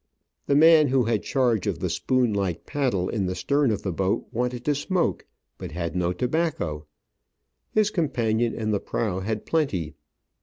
The man who had charge of the spoon like paddle in the stern of the boat wanted to smoke, but had no tobacco ; his companion in the prow had plenty.